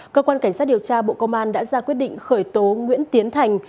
cơ quan cảnh sát điều tra bộ công an đã ra quyết định khởi tố nguyễn tiến thành